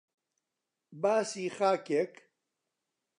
باسی خاکێک